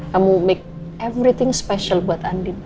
kamu make everything special buat andien ya